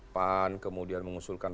pan kemudian mengusulkan